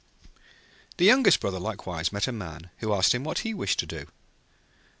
The youngest Brother also met a Man who asked him what he was going to do.